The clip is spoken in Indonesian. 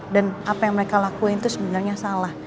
dan apa yang mereka lakuin itu sebenarnya salah